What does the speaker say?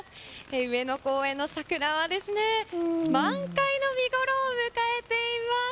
上野公園の桜は満開の見ごろを迎えています。